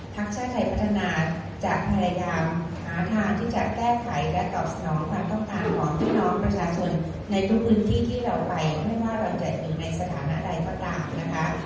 ชาติไทยพัฒนาจะพยายามหาทางที่จะแก้ไขและตอบสนองความต้องการของพี่น้องประชาชนในทุกพื้นที่ที่เราไปไม่ว่าเราจะอยู่ในสถานะใดก็ตามนะคะ